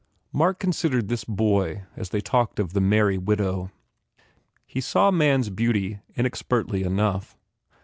Mark con sidered this boy as they talked of "The Merry Widow." He saw man s beauty inexpertly enough.